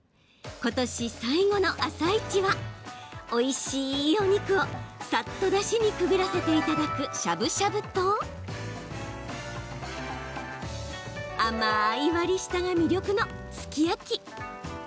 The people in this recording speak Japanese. ことし最後の「あさイチ」はおいしい、お肉をさっとだしにくぐらせていただくしゃぶしゃぶと甘い割り下が魅力のすき焼き。